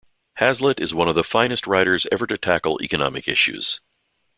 Hazlitt is one of the finest writers ever to tackle economic issues.